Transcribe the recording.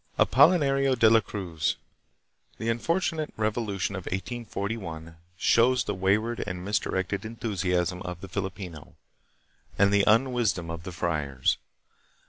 Apolinario de la Cruz. The unfortunate revolution of 1841 shows the wayward and misdirected enthusiasm of the Filipino; and the unwisdom of the friars.